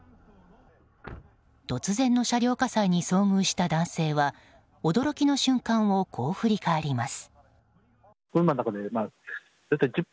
突然の車両火災に遭遇した男性は驚きの瞬間をこう振り返ります。